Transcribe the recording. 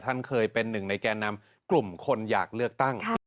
ท่านเคยเป็นหนึ่งในแก่นำกลุ่มคนอยากเลือกตั้ง